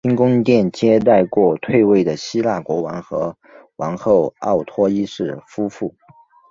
新宫殿接待过退位的希腊国王和王后奥托一世夫妇。